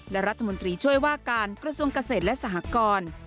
และรัฐมนตรีช่วยว่าการกระทรวงเกษตรและสหกร